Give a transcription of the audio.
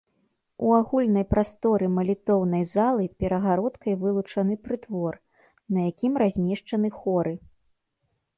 У агульнай прасторы малітоўнай залы перагародкай вылучаны прытвор, на якім размешчаны хоры.